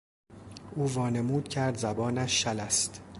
او وانمود کرد زبانش شل است.